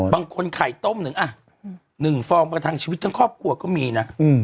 บางคนไข่ต้มหนึ่งอ่ะ๑ฟองประทังชีวิตทั้งครอบครัวก็มีนะ